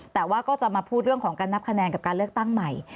แต่ว่าก็จะมาพูดเรื่องของการนับคะแนนกับการเลือกตั้งใหม่